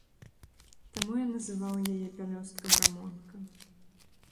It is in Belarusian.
Таму я называў яе пялёсткам рамонка.